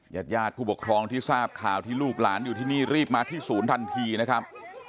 ญาติญาติผู้ปกครองที่ทราบข่าวที่ลูกหลานอยู่ที่นี่รีบมาที่ศูนย์ทันทีนะครับ